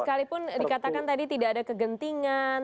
sekalipun dikatakan tadi tidak ada kegentingan